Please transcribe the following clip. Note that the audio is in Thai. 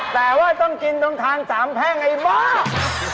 แต่ว่าต้องกินต้องทาน๓แห้งไอ้ป่าว